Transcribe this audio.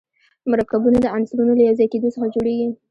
مرکبونه د عنصرونو له یو ځای کېدو څخه جوړیږي.